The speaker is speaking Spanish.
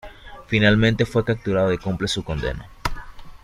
Finalmente fue capturado y cumple su condena.